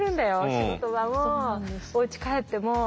仕事場もおうち帰っても。